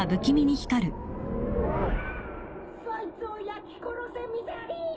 そいつを焼き殺せミザリー！